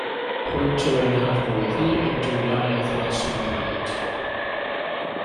Hwynt yw ein harglwyddi — ein duwiau a ddylaswn ddweud.